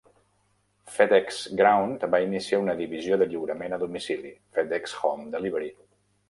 Fed Ex Ground va iniciar una divisió de lliurament a domicili, Fed Ex Home Delivery.